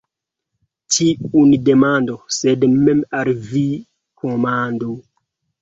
Ĉiun demandu, sed mem al vi komandu.